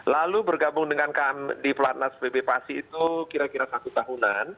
lalu bergabung dengan kami di platnas pb pasi itu kira kira satu tahunan